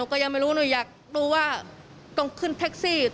กล้องสวัสดิ์